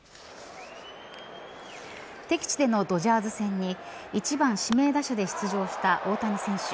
敵地でのドジャーズ戦に１番指名打者で出場した大谷選手。